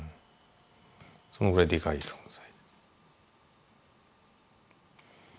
そのぐらいデカい存在。